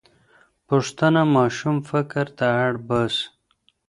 پوښتنه ماشوم فکر ته اړ باسي.